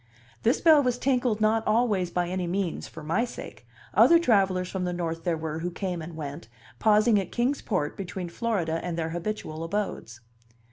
This bell was tinkled not always by any means for my sake; other travellers from the North there were who came and went, pausing at Kings Port between Florida and their habitual abodes.